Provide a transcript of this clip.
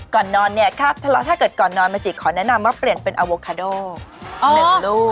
ก่อนนอนเนี่ยถ้าเกิดก่อนนอนมาจิกขอแนะนำว่าเปลี่ยนเป็นอโวคาโด๑ลูก